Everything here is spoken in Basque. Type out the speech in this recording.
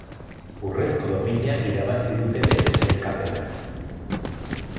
Urrezko domina irabazi dutenen sailkapena.